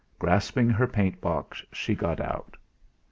Grasping her paint box, she got out.